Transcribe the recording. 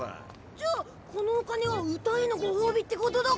じゃあこのお金は歌へのご褒美ってことだか？